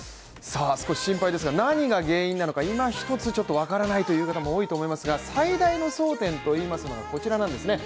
少し心配ですが、何が原因がいまひとつ分からない方も多いと思いますが最大の争点といいますのが、こちらなんです。